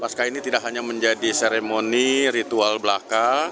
pasca ini tidak hanya menjadi seremoni ritual belaka